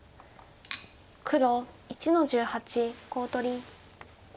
黒１の十八コウ取り。